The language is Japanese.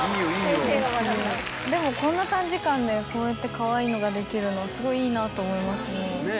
でもこんな短時間でこうやってかわいいのができるのすごいいいなと思いますね。